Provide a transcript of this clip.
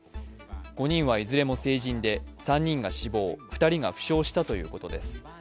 ５人はいずれも成人で、３人が死亡２人が負傷したということです。